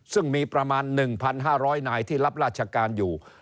ซึ่งมีประมาณ๑๕๐๐นายที่รับราชการอยู่